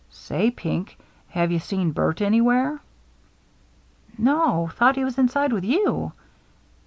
" Say, Pink, have you seen Bert anywhere ?"" No. Thought he was inside with you."